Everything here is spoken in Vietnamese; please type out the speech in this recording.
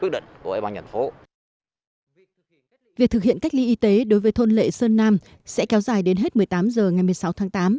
việc thực hiện cách ly y tế đối với thôn lệ sơn nam sẽ kéo dài đến hết một mươi tám h ngày một mươi sáu tháng tám